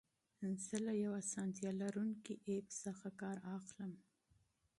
زه له یو اسانتیا لرونکي اپ څخه کار اخلم.